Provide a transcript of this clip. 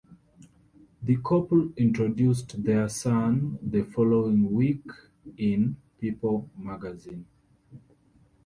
The couple introduced their son the following week in "People" magazine.